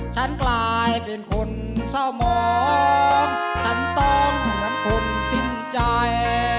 ฉันกลายเป็นคนเฝ้ามองฉันต้องเหมือนคนสิ้นใจ